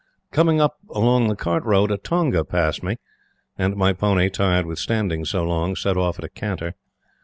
Coming up along the Cart road, a tonga passed me, and my pony, tired with standing so long, set off at a canter.